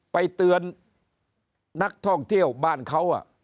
ไปเตือนนักท่องเที่ยวบ้านเขา